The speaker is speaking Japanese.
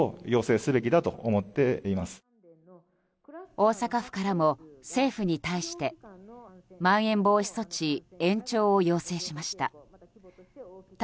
大阪府からも政府に対してまん延防止措置延長を要請しました。